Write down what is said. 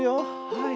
はい。